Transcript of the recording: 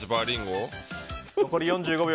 残り４５秒。